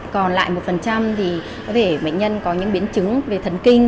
còn lại một thì có thể bệnh nhân có những biến chứng về thần kinh